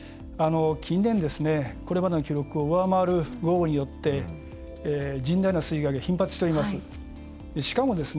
近年、これまでの記録を上回る豪雨によって甚大な水害が頻発しております。